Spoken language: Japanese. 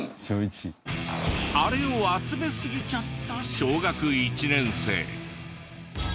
あれを集めすぎちゃった小学１年生。